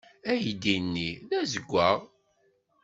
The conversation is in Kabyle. Aydi-nni d azewwaɣ.